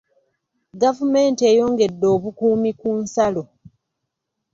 Gavumenti eyongedde obukuumi ku nsalo.